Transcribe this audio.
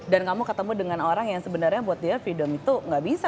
dan kamu ketemu dengan orang yang sebenarnya buat dia freedom itu gak bisa